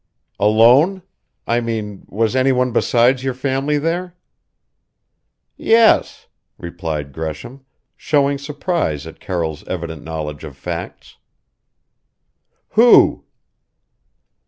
"Alone? I mean was any one besides your family there?" "Yes," replied Gresham, showing surprise at Carroll's evident knowledge of facts. "Who?"